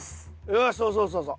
よしそうそうそうそう。